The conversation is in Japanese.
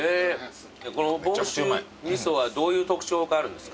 この房州味噌はどういう特徴があるんですか？